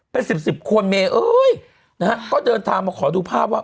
เป็นสิบสิบคนเมย์เอ้ยนะฮะก็เดินทางมาขอดูภาพว่า